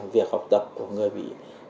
việc học tập của người bị